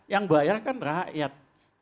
yang bayar kan rakyat